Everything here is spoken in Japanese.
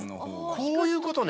こういうことね。